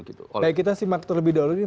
baik kita simak terlebih dahulu ini